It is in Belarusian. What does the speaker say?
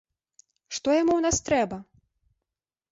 Што яму ў нас трэба?